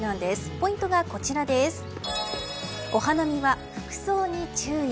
ポイントがお花見は服装に注意。